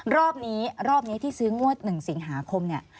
รอบนี้ที่ซื้องวด๑สิงหาคมเนี่ย